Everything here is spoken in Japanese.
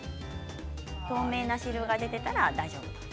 透明な汁が出ていたら大丈夫です。